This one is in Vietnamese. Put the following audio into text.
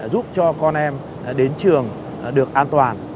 giúp cho con em đến trường được an toàn